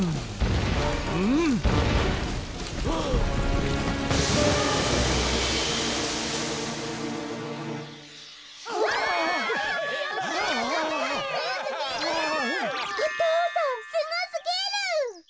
お父さんすごすぎる！